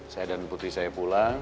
saya dan putri saya pulang